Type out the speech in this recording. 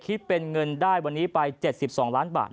คิดเป็นเงินได้วันนี้ไป๗๒ล้านบาท